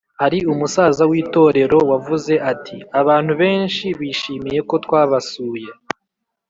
Hari umusaza w itorero wavuze ati abantu benshi bishimiye ko twabasuye